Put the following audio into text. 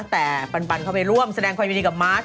แต่ปันเข้าไปร่วมแสดงความยินดีกับมาร์ท